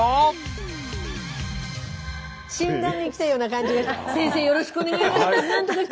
診断に来たような感じがして。